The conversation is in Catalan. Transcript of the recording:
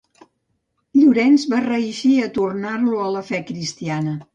Llorenç va reeixir a tornar-lo a la fe cristiana.